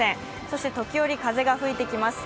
そして時折、風が吹いてきます。